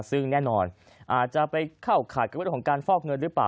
ซึ่งแน่นอนอาจจะไปเข้าข่ายกับเรื่องของการฟอกเงินหรือเปล่า